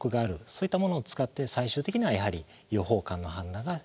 そういったものを使って最終的にはやはり予報官の判断が必要になってくる。